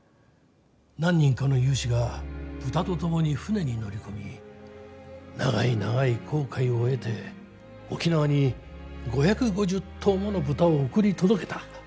何人かの有志が豚と共に船に乗り込み長い長い航海を経て沖縄に５５０頭もの豚を送り届けた。